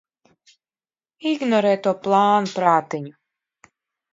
Ignorē to plānprātiņu!